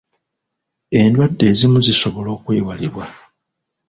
Endwadde ezimu zisobola okwewalibwa.